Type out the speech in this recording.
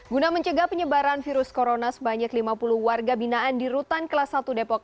guna mencegah penyebaran virus corona sebanyak lima puluh warga binaan di rutan kelas satu depok